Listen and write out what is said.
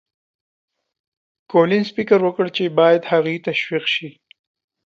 کولینز فکر وکړ چې باید هغوی تشویق شي.